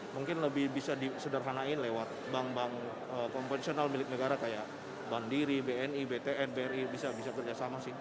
mungkin lebih bisa disederhanain lewat bank bank konvensional milik negara kayak bandiri bni btn bri bisa kerjasama sih